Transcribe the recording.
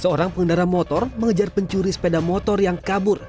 seorang pengendara motor mengejar pencuri sepeda motor yang kabur